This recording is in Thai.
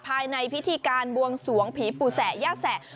ภายในพิธีการบวงสวงผีปู่แสะย่าแสะ